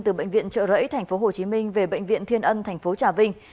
từ bệnh viện trợ rẫy tp hcm về bệnh viện thiên ân tp trà vinh